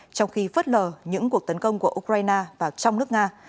trong khi phớt lờ những cuộc tấn công của ukraine vào trong nước nga